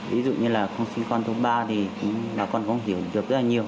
ví dụ như là không sinh con thứ ba thì bà con cũng hiểu được rất là nhiều